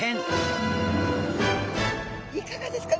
いかがですか？